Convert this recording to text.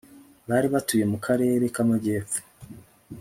bari batuye mu karere k'amajyepfo